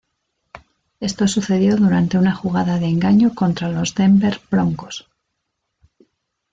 Esto sucedió durante una jugada de engaño contra los Denver Broncos.